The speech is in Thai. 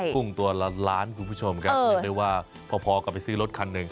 กุ้งตัวละล้านคุณผู้ชมครับเรียกได้ว่าพอกลับไปซื้อรถคันหนึ่ง